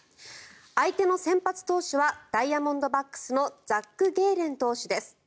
相手の先発投手はダイヤモンドバックスのザック・ゲーレン投手です。